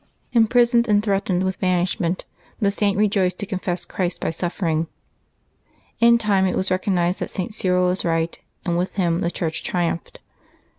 Imprisoned and threatened with banishment, the Saint rejoiced to confess Christ by suffering. In time it was recognized that St. Cyril was right, and with him the Church triumphed.